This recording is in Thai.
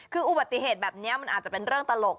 คืออุบัติเหตุแบบนี้มันอาจจะเป็นเรื่องตลก